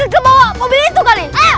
ke bawah mobil itu kali